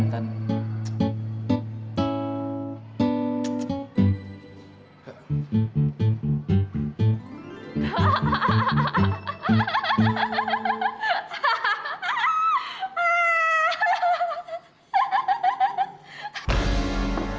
nah ternyata gue gak bisa